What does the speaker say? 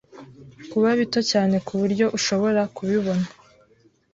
kuba bito cyane kuburyo ushobora kubibona